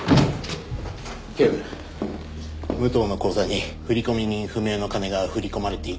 警部武藤の口座に振込人不明の金が振り込まれていたそうです。